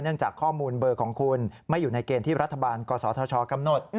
จากข้อมูลเบอร์ของคุณไม่อยู่ในเกณฑ์ที่รัฐบาลกศธชกำหนด